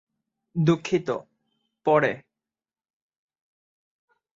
দুঃখিত, পরে।